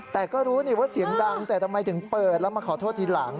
แต่ก็รู้นี่ว่าเสียงดังแต่ทำไมถึงเปิดแล้วมาขอโทษทีหลัง